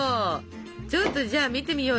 ちょっとじゃあ見てみようよ